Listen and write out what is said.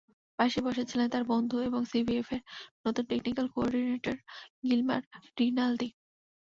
পাশেই বসা ছিলেন তাঁর বন্ধু এবং সিবিএফের নতুন টেকনিক্যাল কো-অর্ডিনেটর গিলমার রিনালদি।